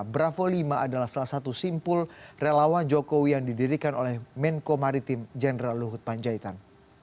bravo lima adalah salah satu simpul relawan jokowi yang didirikan oleh menko maritim jenderal luhut panjaitan